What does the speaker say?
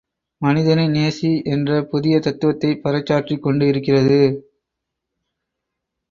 மனிதனை நேசி என்ற புதிய தத்துவத்தைப் பறைசாற்றிக் கொண்டு இருக்கிறது.